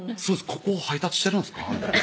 「ここ配達してるんですか？」